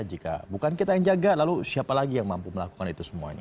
jika bukan kita yang jaga lalu siapa lagi yang mampu melakukan itu semuanya